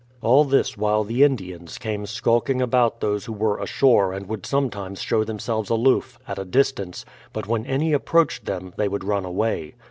All this while the Indians came skulking about those who were ashore and would sometimes show themselves aloof, at a distance, but when any approached them, they would run away.